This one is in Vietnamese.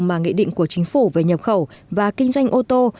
mà nghị định của chính phủ về nhập khẩu và kinh doanh ô tô